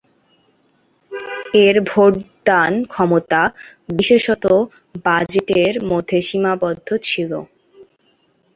এর ভোটদান ক্ষমতা বিশেষত বাজেটের মধ্যে সীমাবদ্ধ ছিল।